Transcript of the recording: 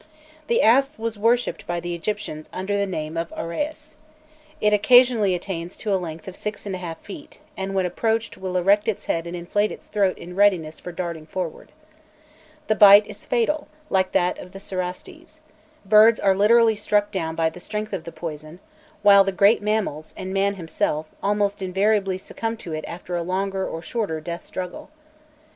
The asp was worshipped by the Egyptians under the name of uræus. It occasionally attains to a length of six and a half feet, and when approached will erect its head and inflate its throat in readiness for darting forward. The bite is fatal, like that of the cerastes; birds are literally struck down by the strength of the poison, while the great mammals, and man himself, almost invariably succumb to it after a longer or shorter death struggle.